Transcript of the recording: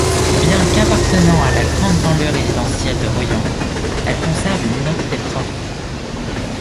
Bien qu'appartenant à la grande banlieue résidentielle de Royan, elle conserve une identité propre.